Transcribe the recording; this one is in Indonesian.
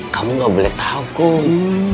kamu gak boleh tau kum